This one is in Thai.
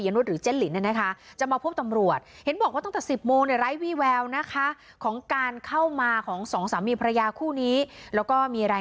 อย่าที่บอกว่าเจ้าของกุรังพลุเนี่ย